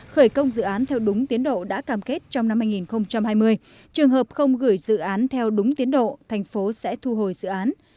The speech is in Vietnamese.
khởi công dự án theo đúng tiến độ đã cam kết trong năm hai nghìn hai mươi trường hợp không gửi dự án theo đúng tiến độ thành phố sẽ thu hồi dự án